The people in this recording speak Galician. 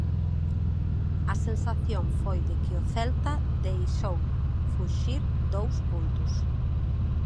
A sensación foi de que o Celta deixou fuxir dous puntos.